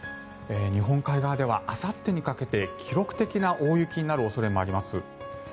日本海側ではあさってにかけて記録的な大雪になる恐れもあります。